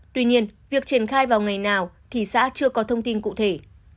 tuy nhiên việc triển khai vào ngày nào thì xã chưa có thông tin cụ thể